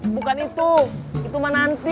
bukan itu itu mah nanti